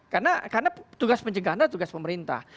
karena tugas pencegahan adalah tugas pemerintah